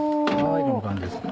こんな感じです。